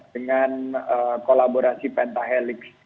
dengan kolaborasi pentahelix